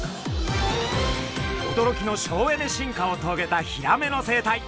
おどろきの省エネ進化をとげたヒラメの生態。